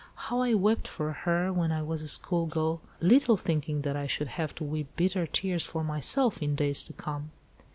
How I wept for her, when I was a school girl, little thinking that I should have to weep bitter tears for myself in days to come."